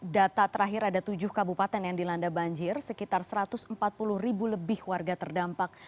data terakhir ada tujuh kabupaten yang dilanda banjir sekitar satu ratus empat puluh ribu lebih warga terdampak